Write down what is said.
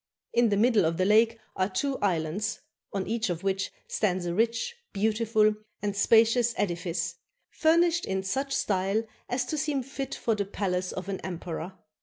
In the middle of the lake are two islands, on each of which stands a rich, beautiful, and spacious edifice, furnished in such style as to seem fit for the palace of an emperor.